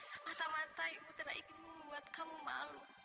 semata mata ibu tidak ingin membuat kamu malu